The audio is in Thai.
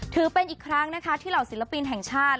ถือเป็นอีกครั้งนะคะที่เหล่าศิลปินแห่งชาติ